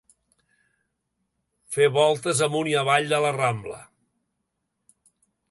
Fer voltes amunt i avall de la rambla.